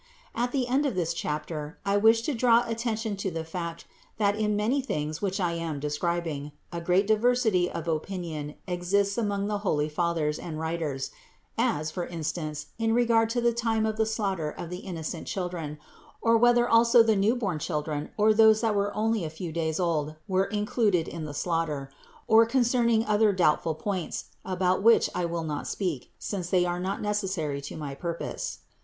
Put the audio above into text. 678. At the end of this chapter I wish to draw atten tion to the fact that in many things which I am describing, a great diversity of opinion exists among the holy fathers and writers ; as, for instance, in regard to the time of the slaughter of the innocent children, or whether also the new born children or those that were only a few days old were included in the slaughter, or concerning other doubtful points, about which I will not speak, since they are not necessary to my purpose.